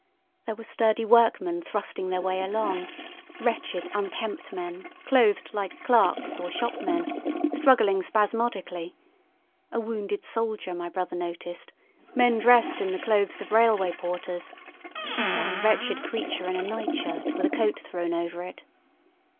There were sturdy workmen thrusting their way along, wretched, unkempt men, clothed like clerks or shopmen, struggling spasmodically; a wounded soldier my brother noticed, men dressed in the clothes of railway porters, one wretched creature in a nightshirt with a coat thrown over it.